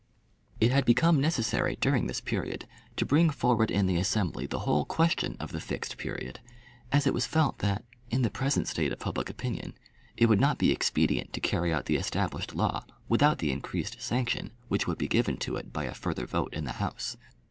It had become necessary during this period to bring forward in the Assembly the whole question of the Fixed Period, as it was felt that, in the present state of public opinion, it would not be expedient to carry out the established law without the increased sanction which would be given to it by a further vote in the House.